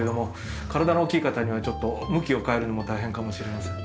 体の大きい方にはちょっと向きを変えるのも大変かもしれません。